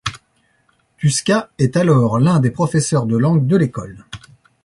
Tuska est alors l'un des professeurs de langue de l'école.